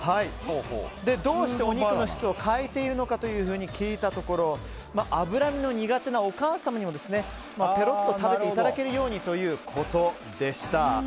どうしてお肉の質を変えているのかと聞いたところ脂身の苦手なお母様にもペロッと食べていただけるようにということでした。